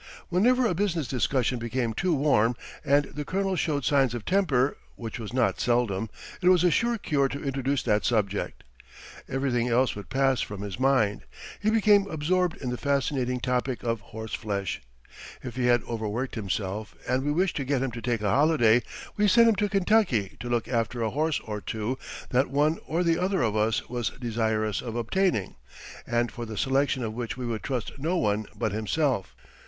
Whenever a business discussion became too warm, and the Colonel showed signs of temper, which was not seldom, it was a sure cure to introduce that subject. Everything else would pass from his mind; he became absorbed in the fascinating topic of horseflesh. If he had overworked himself, and we wished to get him to take a holiday, we sent him to Kentucky to look after a horse or two that one or the other of us was desirous of obtaining, and for the selection of which we would trust no one but himself.